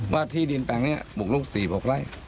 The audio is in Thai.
ว่าที่ดินแปลงนี้ปลูกลูกสี่ปลูกไร่